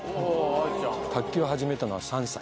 卓球を始めたのは３歳。